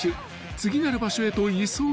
［次なる場所へと急ぐ］